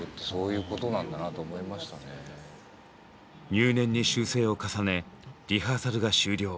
入念に修正を重ねリハーサルが終了。